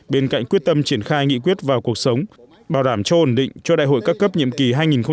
bên cạnh quyết tâm triển khai nghị quyết vào cuộc sống bảo đảm cho ổn định cho đại hội các cấp nhiệm kỳ hai nghìn hai mươi hai nghìn hai mươi năm